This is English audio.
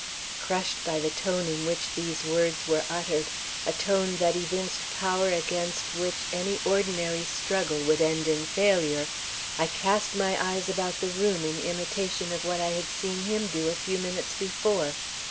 Crushed by the tone in which these words were uttered, a tone that evinced power against which any ordinary struggle would end in failure, I cast my eyes about the room in imitation of what I had seen him do a few minutes before.